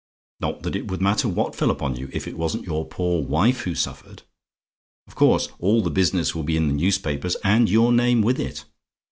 Not that it would matter what fell upon you, if it wasn't your poor wife who suffered. Of course all the business will be in the newspapers, and your name with it.